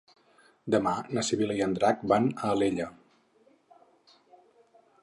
Demà na Sibil·la i en Drac van a Alella.